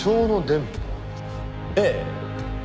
ええ。